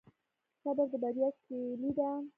صبر د بریا کیلي ده